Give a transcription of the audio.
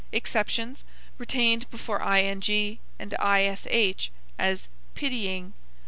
Exceptions retained before ing and ish, as pitying.